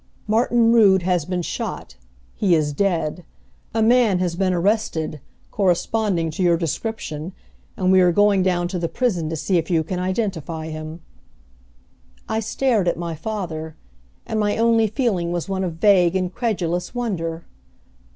"Martin Rood has been shot; he is dead. A man has been arrested, corresponding to your description, and we are going down to the prison to see if you can identify him." I stared at father, and my only feeling was one of vague, incredulous wonder.